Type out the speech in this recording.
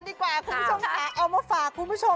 ดีกว่าภายใจฟังดีกว่าคุณผู้ชมค่ะเอามาฝากคุณผู้ชม